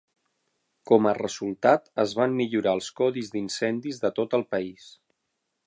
Com a resultat, es van millorar els codis d'incendis de tot el país.